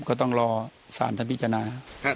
ก็ต้องรอสารท่านพิจารณา